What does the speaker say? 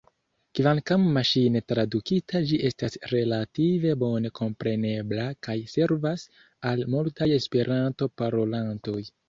Kvankam maŝine tradukita ĝi estas relative bone komprenebla kaj servas al multaj Esperanto-parolantoj.